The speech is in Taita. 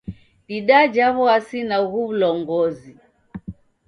Didaja w'uasi na ughu w'ulongozi.